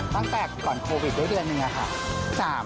ตั้งแต่ก่อนโควิดได้เดือนหนึ่งอะค่ะ